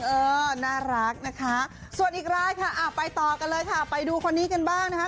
เออน่ารักนะคะส่วนอีกรายค่ะไปต่อกันเลยค่ะไปดูคนนี้กันบ้างนะคะ